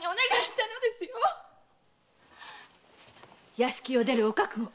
屋敷を出るお覚悟。